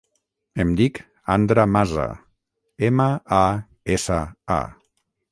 Em dic Andra Masa: ema, a, essa, a.